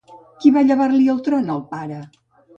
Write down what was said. Qui va llevar-li el tron al pare?